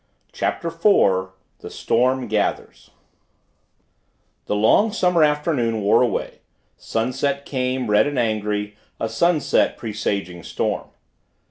CHAPTER FOUR THE STORM GATHERS The long summer afternoon wore away, sunset came, red and angry, a sunset presaging storm.